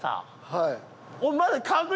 はい。